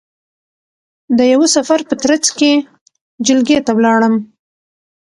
د یوه سفر په ترځ کې جلگې ته ولاړم،